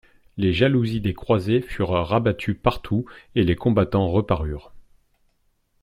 Les jalousies des croisées furent rabattues partout, et les combattants reparurent.